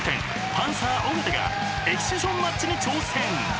パンサー尾形がエキシビションマッチに挑戦！］